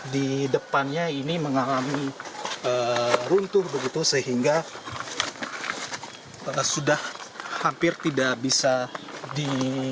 di depannya ini mengalami runtuh begitu sehingga sudah hampir tidak bisa di